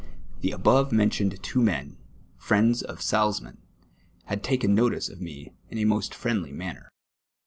The above mentioned two men, friends of Salzmann, had taken notice of me in a most friendly manner.